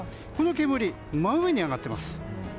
この煙、真上に上がっています。